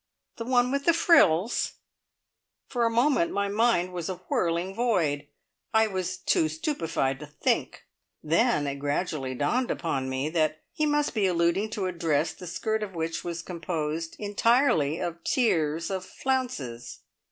The one with the frills! For a moment my mind was a whirling void; I was too stupefied to think. Then gradually it dawned upon me that he must be alluding to a dress the skirt of which was composed entirely of tiers of flounces.